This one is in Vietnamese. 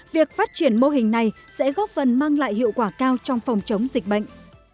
việc phát triển mô hình này sẽ góp phần mang lại hiệu quả cao trong phòng chống dịch bệnh